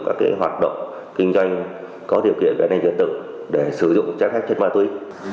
các hoạt động kinh doanh có điều kiện về năng dân tự để sử dụng chép phép chép ma túy